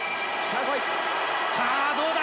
さあどうだ？